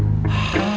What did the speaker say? aduh kemana sih